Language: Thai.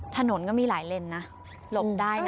ถนนก็มีหลายเลนนะหลบได้นะ